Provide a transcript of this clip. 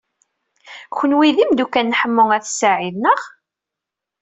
Kenwi d imeddukal n Ḥemmu n At Sɛid, naɣ?